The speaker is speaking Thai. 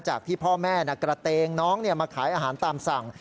ที่พ่อแม่กระเตงน้องมาขายอาหารตามสั่ง